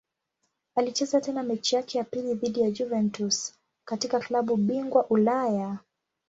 Alicheza tena mechi yake ya pili dhidi ya Juventus katika klabu bingwa Ulaya.